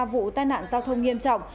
vụ tai nạn giao thông nghiêm trọng